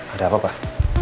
ada apa pak